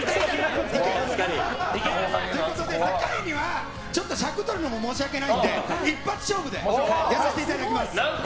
酒井には尺とるのも申し訳ないので一発勝負でやらせていただきます。